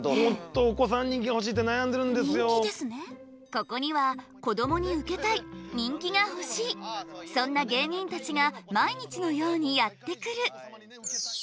ここにはこどもにウケたい人気が欲しいそんな芸人たちが毎日のようにやって来る。